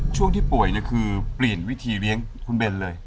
ช่วงที่ป่วยคือเปลี่ยนวิธีเลี้ยงคุณเบนเลย